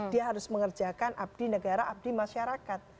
dia harus mengerjakan abdi negara abdi masyarakat